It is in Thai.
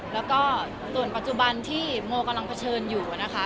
แล้วก็ส่วนปัจจุบันที่โมกำลังเผชิญอยู่นะคะ